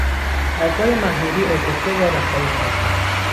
آقای محمودی ارکستر را رهبری خواهد کرد.